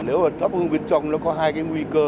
nếu mà thắp hương bên trong nó có hai cái nguy cơ